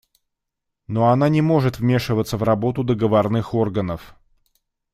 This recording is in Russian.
Но она не может вмешиваться в работу договорных органов.